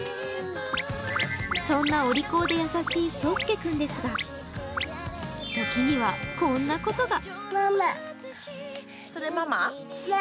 そんなお利口で優しいそうすけ君ですが時にはこんなことが。